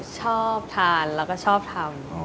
ชอบทานแล้วก็ชอบทำ